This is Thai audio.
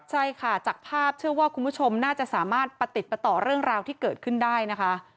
ใช่ค่ะจากภาพเชื่อว่าคุณผู้ชมน่าจะสามารถประติดประต่อเรื่องราวที่เกิดขึ้นได้นะคะ